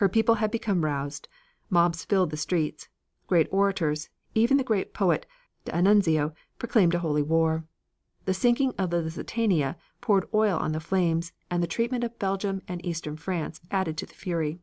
Her people had become roused. Mobs filled the streets. Great orators, even the great poet, D'Annunzio, proclaimed a holy war. The sinking of the Lusitania poured oil on the flames, and the treatment of Belgium and eastern France added to the fury.